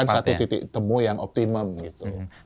satu titik temu yang optimum gitu